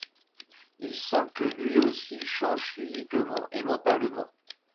Il sent que lui-aussi change physiquement et mentalement.